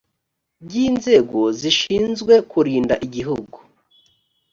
by inzego zishinzwe kurinda igihugu